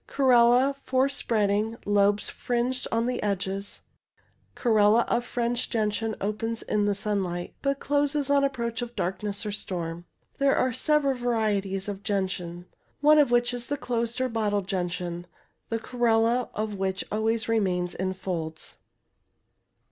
Corolla four spreading, lobes fringed on the edges— corolla of fringed gentian opens in the 240 ABOUT THE FRINGED GENTIAN 241 sunlight, but closes on approach of darkness or. storm. There are several varieties of gentians, one of which is the closed or bottle gentian, the coroUa of which always remains in folds.